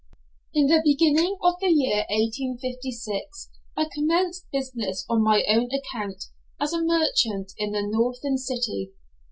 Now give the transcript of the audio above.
In the beginning of the year 1856 I commenced business on my own account, as a merchant in a Northern City.